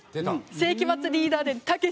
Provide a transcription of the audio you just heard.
『世紀末リーダー伝たけし！』。